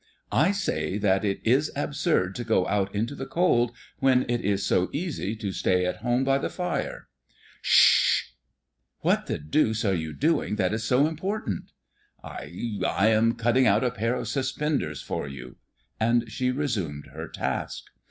"I say that it is absurd to go out into the cold when it is so easy to stay at home by the fire." "Sh h h!" "What the deuce are you doing that is so important?" "I I am cutting out a pair of suspenders for you;" and she resumed her task.